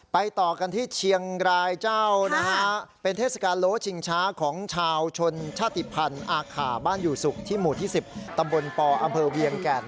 ต่อกันที่เชียงรายเจ้านะฮะเป็นเทศกาลโลชิงช้าของชาวชนชาติภัณฑ์อาขาบ้านอยู่ศุกร์ที่หมู่ที่๑๐ตำบลปอำเภอเวียงแก่น